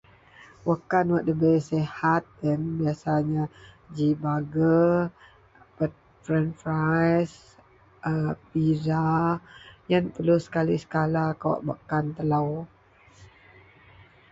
Wakkan wak ndabei sihat yen biasanya ji bager, prenpraes, a pija. Yen perelu sekali sekala kawak bak kan telou.